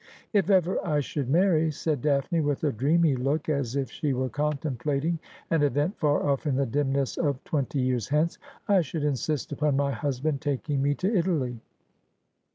' If ever I should marry,' said Daphne with a dreamy look, as if she were contemplating an event far off in the dimness of twenty years hence, ' I should insist upon my husband taking me to Italy.'